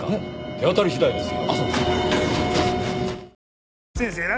手当たり次第ですよ。